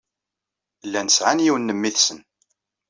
Llan sɛan yiwen n memmi-tsen.